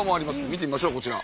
見てみましょうこちら。